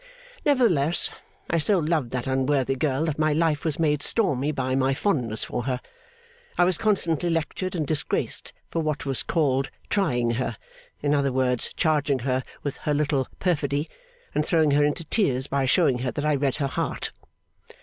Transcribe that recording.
Nevertheless, I so loved that unworthy girl that my life was made stormy by my fondness for her. I was constantly lectured and disgraced for what was called 'trying her;' in other words charging her with her little perfidy and throwing her into tears by showing her that I read her heart.